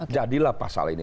jadilah pasal ini